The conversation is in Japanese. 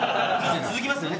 続きますよね？